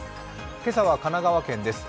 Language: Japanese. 今朝は神奈川県です。